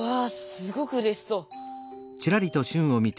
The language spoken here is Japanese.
すごくうれしそう。